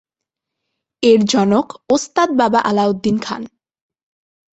এর জনক ওস্তাদ বাবা আলাউদ্দিন খান।